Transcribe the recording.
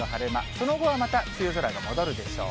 その後はまた梅雨空が戻るでしょう。